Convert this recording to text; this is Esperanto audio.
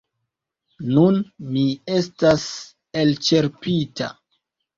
Nun mi estas elĉerpita.